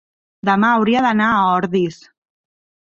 demà hauria d'anar a Ordis.